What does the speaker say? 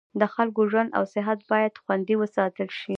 د خلکو ژوند او صحت باید خوندي وساتل شي.